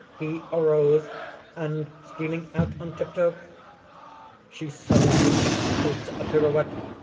He arose, and stealing out on tiptoe...." (_She suddenly executes a pirouette.